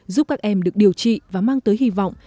giúp các em được điều trị và mang tới hy vọng